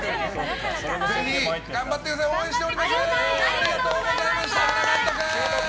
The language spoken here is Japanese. ぜひ頑張ってください応援しております！